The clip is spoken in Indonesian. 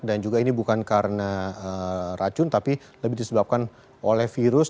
dan juga ini bukan karena racun tapi lebih disebabkan oleh virus